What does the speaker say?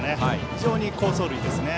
非常に好走塁ですね。